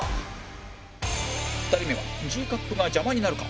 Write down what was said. ２人目は Ｇ カップが邪魔になるか？